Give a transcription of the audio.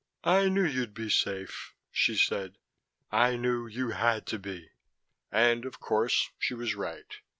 "I knew you'd be safe," she said. "I knew you had to be." And of course she was right.